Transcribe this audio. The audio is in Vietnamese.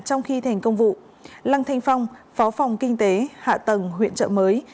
trong khi thành công vụ lăng thành phong phó phòng kinh tế hạ tầng huyện chợ mới